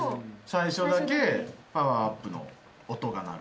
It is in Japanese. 最初だけパワーアップの音が鳴る。